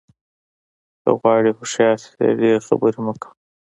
که غواړې هوښیار شې ډېرې خبرې مه کوه.